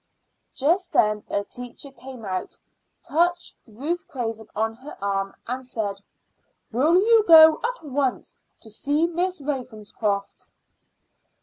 Just then a teacher came out, touched Ruth Craven on her arm, and said: "Will you go at once to see Miss Ravenscroft?"